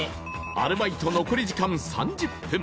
アルバイト残り時間３０分